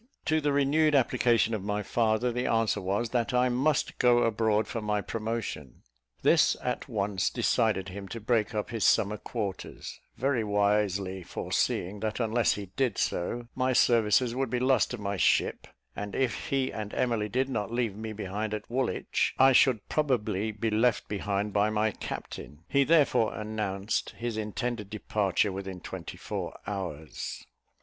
To the renewed application of my father, the answer was that I must go abroad for my promotion. This at once decided him to break up his summer quarters, very wisely foreseeing that unless he did so, my services would be lost to my ship; and if he and Emily did not leave me behind at Woolwich, I should probably be left behind by my captain: he therefore announced his intended departure within twenty four hours.